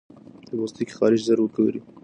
د پوستکي خارښت ژر وګورئ.